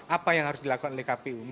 apa yang harus dilakukan oleh kpu